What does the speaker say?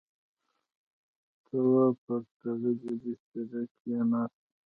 تواب پر تړلی بسترې کېناست.